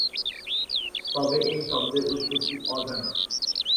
তবে এই শব্দের উৎপত্তি অজানা।